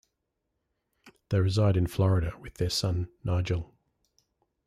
They reside in Florida with their son, Nigel.